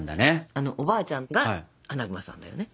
あのおばあちゃんがアナグマさんだよね。